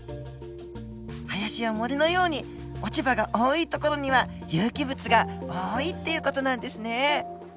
林や森のように落ち葉が多い所には有機物が多いっていう事なんですね。